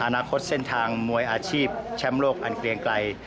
อนาคตเส้นทางมวยอาชีพแชมป์โลกอันเกรียงไกล